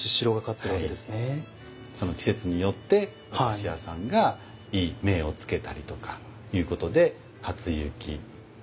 その季節によってお菓子屋さんがいい銘を付けたりとかいうことで「初雪」。